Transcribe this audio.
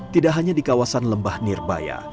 tidak hanya di kawasan lembah nirbaya